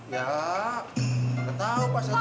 ya gak tau pasal itu